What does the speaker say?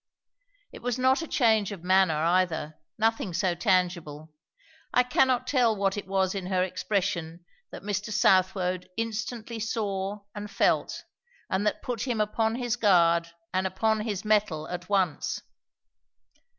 It was not a change of manner either; nothing so tangible; I cannot tell what it was in her expression that Mr. Southwode instantly saw and felt, and that put him upon his guard and upon his mettle at once.